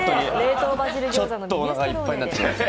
ちょっとおなかいっぱいになってきました。